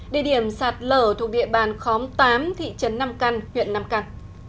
địa điểm sạt lở thuộc địa bàn khóm tám thị trấn nam căn huyện nam căn